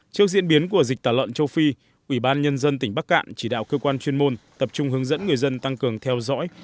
trước diễn biến của dịch tả lợn châu phi ủy ban nhân dân tỉnh bắc cạn chỉ đạo cơ quan chuyên môn tập trung hướng dẫn người dân tăng cường theo dõi